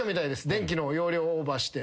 電気の容量オーバーして。